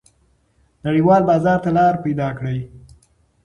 نړیوال بازار ته لار پیدا کړئ.